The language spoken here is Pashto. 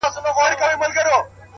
• مړاوي یې سترگي،